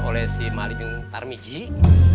oleh si malijeng tarmi zik